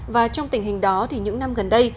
và trong tình hình đó thì những năm gần đây